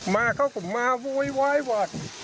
มาเขาก็มาโวยวายหวอด